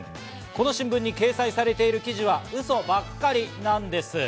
この新聞に掲載されている記事はウソばっかりなんです。